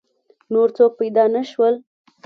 نور څوک پیدا نه شول.